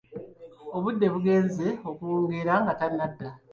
Obudde bugenze okuwungeera nga tannadda.